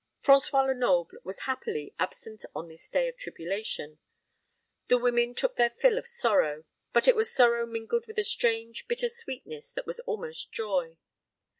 François Lenoble was, happily, absent on this day of tribulation. The women took their fill of sorrow, but it was sorrow mingled with a strange bitter sweetness that was almost joy.